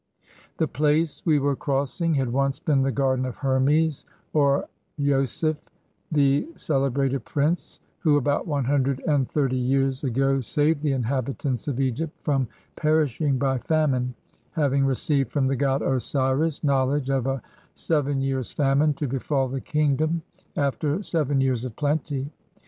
The place we were crossing had once been the garden of Hermes or losepf , the cele brated prince who about one hundred and thirty years ago saved the inhabitants of Egypt from perishing by famine, having received from the god Osiris knowledge of a seven years' famine to befall the kingdom, after seven years of plenty.